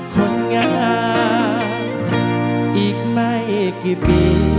คนงานอีกไม่กี่ปี